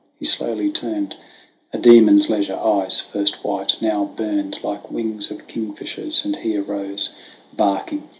He slowly turned : A demon's leisure: eyes, first white, now burned Like wings of kingfishers; and he arose Barking.